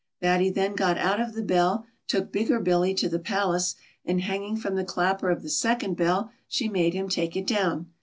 Batty then got out of the bell, took Bigger Billy to the palace, and hanging from the clapper of the second bell, she made him take it down.